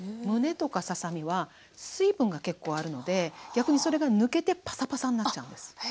むねとかささ身は水分が結構あるので逆にそれが抜けてパサパサになっちゃうんです。